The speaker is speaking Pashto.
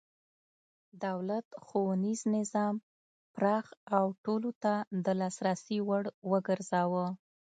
دولت ښوونیز نظام پراخ او ټولو ته د لاسرسي وړ وګرځاوه.